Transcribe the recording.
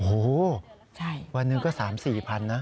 โอ้โฮวันหนึ่งก็๓๐๐๐๔๐๐๐นะ